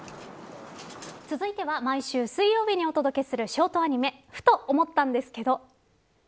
続いては毎週水曜日にお届けするショートアニメふと思ったんですけど。